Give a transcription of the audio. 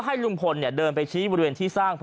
ท่านพรุ่งนี้ไม่แน่ครับ